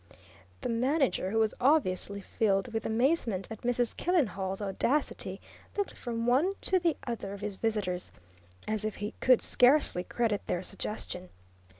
The manager, who was obviously filled with amazement at Mrs. Killenhall's audacity, looked from one to the other of his visitors, as if he could scarcely credit their suggestion.